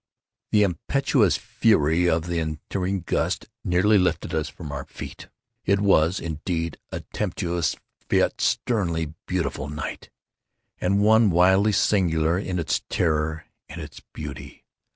The impetuous fury of the entering gust nearly lifted us from our feet. It was, indeed, a tempestuous yet sternly beautiful night, and one wildly singular in its terror and its beauty.